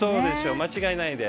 間違いないです。